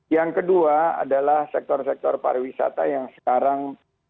yang kedua adalah sektor sektor pariwisata yang sekarang